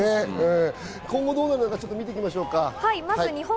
今後どうなるか見ていきましょう。